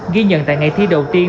ghi nhận tại ngày thi đầu tiên